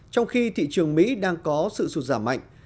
trong khi thị trường mỹ đang có sự sụt giảm mạnh